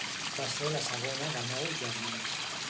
Va ser la segona de nou germans.